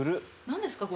何ですか？